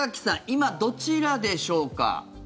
今、どちらでしょうか？